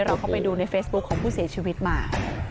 เราเข้าไปดูในเฟซบุ๊คของผู้เสียชีวิตมา